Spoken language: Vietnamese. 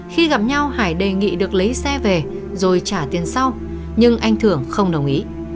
khi gặp nhau hải đề nghị được lấy xe về rồi trả tiền sau nhưng anh thưởng không đồng ý